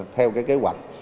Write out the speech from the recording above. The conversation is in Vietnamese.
theo cái kế hoạch